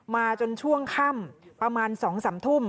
จนช่วงค่ำประมาณ๒๓ทุ่ม